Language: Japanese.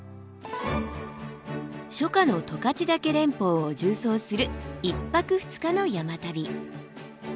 初夏の十勝岳連峰を縦走する１泊２日の山旅。